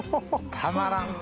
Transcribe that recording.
たまらんな。